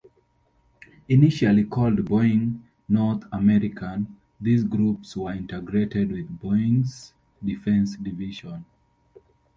Initially called Boeing North American, these groups were integrated with Boeing's Defense division.